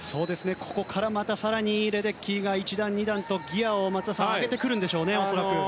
ここからまた更にレデッキーが１段、２段とギアを松田さん上げてくるでしょうね、恐らく。